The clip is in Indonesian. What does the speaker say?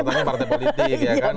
katanya partai politik ya kan